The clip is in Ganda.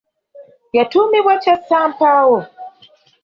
Kyatuumibwa Kyasampaawo.